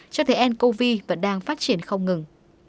cho thấy ncov vẫn đang phát triển không ngừng